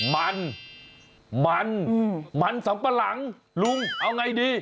มันมันสำปะหลังลุงเอาไงดี